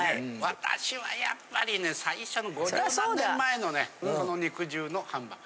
私はやっぱりね最初の５３年前のねこの肉汁のハンバーグ。